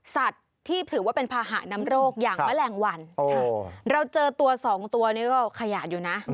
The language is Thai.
สัตว์ที่ถือว่าเป็นภาหะน้ำโรคอย่างแมลงวันเราเจอตัวสองตัวนี้ก็ขยะอยู่นะ